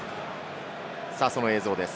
その映像です。